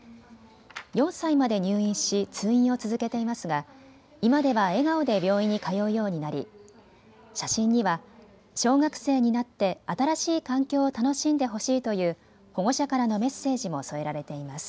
４歳まで入院し通院を続けていますが今では笑顔で病院に通うようになり写真には小学生になって新しい環境を楽しんでほしいという保護者からのメッセージも添えられています。